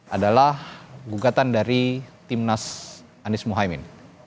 adalah gugatan dari timnas anies mohaimin